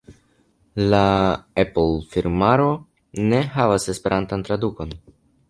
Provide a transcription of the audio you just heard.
La Apple-firmvaro ne havas esperantan tradukon.